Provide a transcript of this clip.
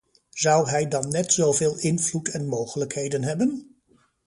Zou hij dan net zoveel invloed en mogelijkheden hebben?